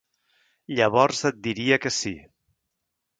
Llavors et diria que sí.